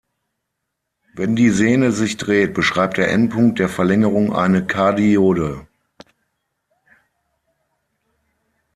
Wenn die Sehne sich dreht, beschreibt der Endpunkt der Verlängerung eine Kardioide.